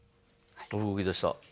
動きだした。